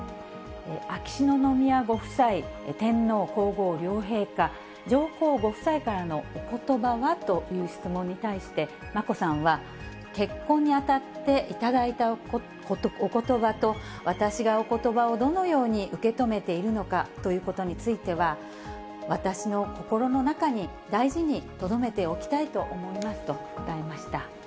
秋篠宮ご夫妻、天皇皇后両陛下、上皇ご夫妻からのおことばはという質問に対して、眞子さんは、結婚にあたって頂いたおことばと、私がおことばをどのように受け止めているのかということについては、私の心の中に大事にとどめておきたいと思いますと答えました。